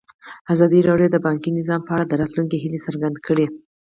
ازادي راډیو د بانکي نظام په اړه د راتلونکي هیلې څرګندې کړې.